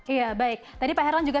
iya baik tadi pak herlan juga